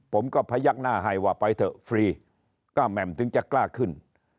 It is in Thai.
ผมก็พยักหน้าให้ว่าไปเถอะฟรีก็แหม่มถึงจะกล้าขึ้น